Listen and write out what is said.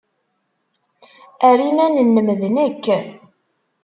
Err iman-nnem d nekk.